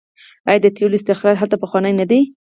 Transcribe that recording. آیا د تیلو استخراج هلته پخوانی نه دی؟